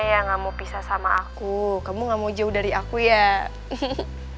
yang mau pisah sama aku kamu enggak mau jauh dari aku ya ini yaz reeva based rogg passions